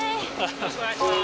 よろしくお願いします！